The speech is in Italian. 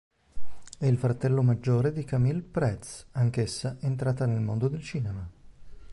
È il fratello maggiore di Camille Prats, anch'essa entrata nel mondo del cinema.